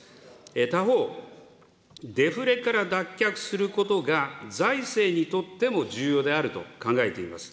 他方、デフレから脱却することが財政にとっても重要であると考えています。